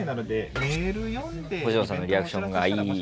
星野さんのリアクションがいい